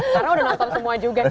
karena udah nonton semua juga sih